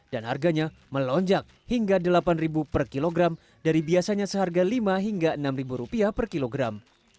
dan harganya melonjak hingga rp delapan per kilogram dari biasanya seharga rp lima hingga rp enam per kilogram